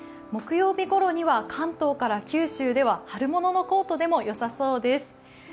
木曜日ごろには関東から九州では春もののコートでもよさそうです。